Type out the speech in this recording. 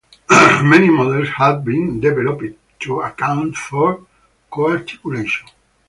Many models have been developed to account for coarticulation.